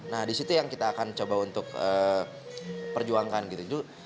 nah disitu yang kita akan coba untuk perjuangkan gitu